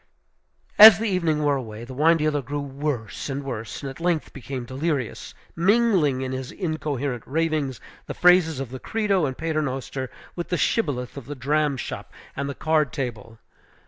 As the evening wore away, the wine dealer grew worse and worse, and at length became delirious, mingling in his incoherent ravings the phrases of the Credo and Paternoster with the shibboleth of the dram shop and the card table.